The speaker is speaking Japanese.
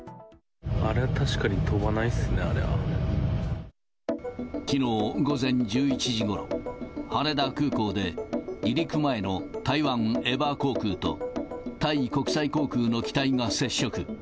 あれは確かに飛ばないですね、きのう午前１１時ごろ、羽田空港で、離陸前の台湾エバー航空とタイ国際航空の機体が接触。